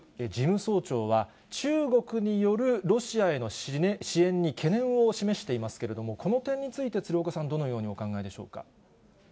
事務総長は、中国によるロシアへの支援に懸念を示していますけれども、この点について、鶴岡さん、どのようにお考えでしょうか。